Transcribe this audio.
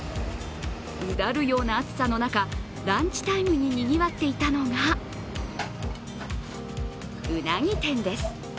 うだるような暑さの中ランチタイムににぎわっていたのがうなぎ店です。